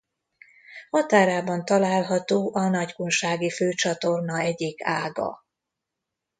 Határában található a Nagykunsági főcsatorna egyik ága.